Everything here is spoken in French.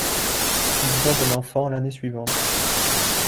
Ils ont un enfant l'année suivante.